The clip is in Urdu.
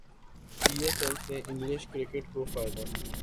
پی ایس ایل سے انگلش کرکٹ کو فائدہ